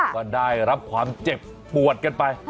ก็ได้รับความเจ็บปวดกันไป